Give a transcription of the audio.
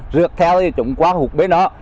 rượt theo thì chúng qua hút bên đó